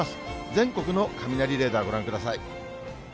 全国の雷レーダー、ご覧ください。